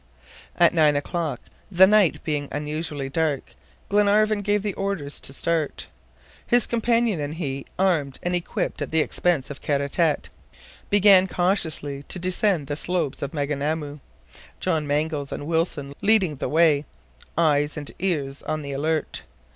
At nine o'clock, the night being unusually dark, Glenarvan gave the order to start. His companions and he, armed and equipped at the expense of Kara Tete, began cautiously to descend the slopes of Maunganamu, John Mangles and Wilson leading the way, eyes and ears on the alert.